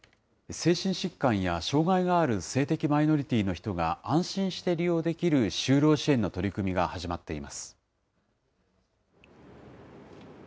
精神疾患や障害がある性的マイノリティーの人が安心して利用できる就労支援の取り組みが始まっています。